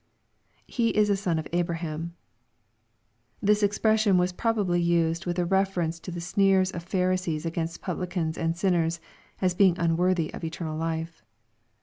[He is a son of Abraham^ This expression was probably used with a reference to the sneers of Pharisees against publicans and sinners, as being unworthy of eternal life.